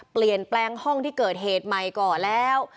เปลี่ยนแปลงห้องที่เกิดเหตุใหม่ก่อนแล้ว